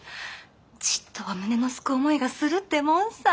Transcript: ちっとは胸のすく思いがするってもんさ。